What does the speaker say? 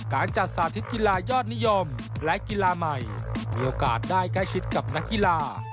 การจัดสาธิตกีฬายอดนิยมและกีฬาใหม่มีโอกาสได้ใกล้ชิดกับนักกีฬา